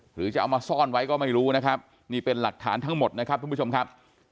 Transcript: หรือจะเอามาซ่อนไว้ก็ไม่รู้นะครับนี่เป็นหลักฐานทั้งหมดนะครับทุกผู้ชมครับ